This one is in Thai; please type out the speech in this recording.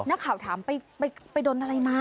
นักข่าวถามไปโดนอะไรมา